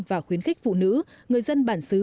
và khuyến khích phụ nữ người dân bản xứ